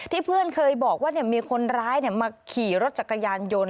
เพื่อนเคยบอกว่ามีคนร้ายมาขี่รถจักรยานยนต์